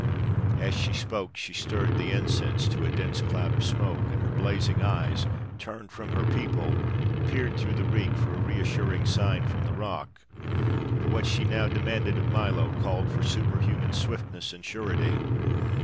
As she spoke she stirred the incense to a dense cloud of smoke, and her blazing eyes, turned from her people, peered through the reek for a reassuring sign from the rock, for what she now demanded of Milo called for superhuman swiftness and surety.